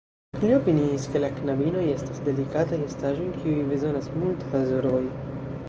Li opiniis, ke la knabinoj estas delikataj estaĵoj, kiuj bezonas multe da zorgoj.